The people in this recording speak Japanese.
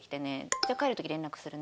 「じゃあ帰る時連絡するね」。